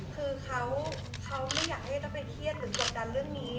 คือเขาไม่อยากให้ต้องไปเครียดหรือกดดันเรื่องนี้